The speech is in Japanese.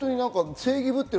正義ぶってる